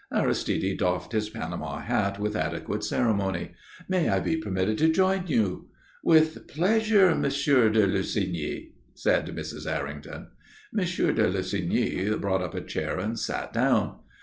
Aristide doffed his Panama hat with adequate ceremony. "May I be permitted to join you?" "With pleasure, Monsieur de Lussigny," said Mrs. Errington. Monsieur de Lussigny brought up a chair and sat down.